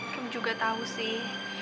rom juga tau sih